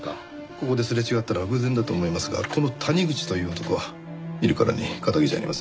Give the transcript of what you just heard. ここですれ違ったのは偶然だと思いますがこの谷口という男は見るからに堅気じゃありません。